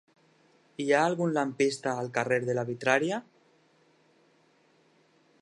Hi ha algun lampista al carrer de la Vitrària?